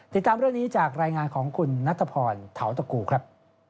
ติดตามเรื่องนี้จากรายงานของคุณนัทพรเทาตะกูครับ